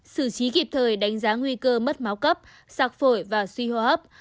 xử trí kịp thời đánh giá nguy cơ mất máu cấp sạc phổi và suy hô hấp